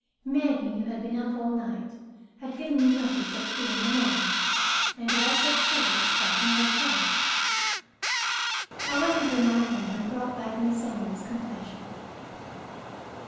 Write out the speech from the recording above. Maggie, who had been up all night, had given me notice at three in the morning, and was upstairs packing her trunk. I went into my room, and brought back Miss Emily's confession.